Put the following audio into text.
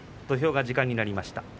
土俵が時間になりました。